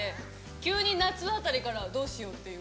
急に夏あたりからどうしようっていう。